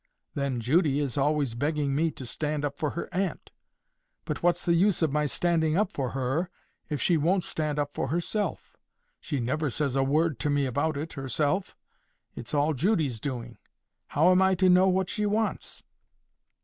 Then Judy is always begging me to stand up for her aunt. But what's the use of my standing up for her if she won't stand up for herself; she never says a word to me about it herself. It's all Judy's doing. How am I to know what she wants?"